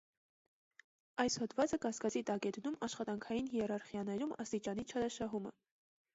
Այս հոդվածը կասկածի տակ է դնում աշխատանքային հիերարխիաներում աստիճանի չարաշահումը։